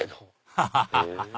ハハハハ！